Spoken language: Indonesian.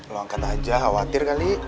lu angkat aja khawatir kali